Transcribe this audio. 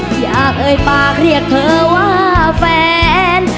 อยากเอ่ยปากเรียกเธอว่าแฟน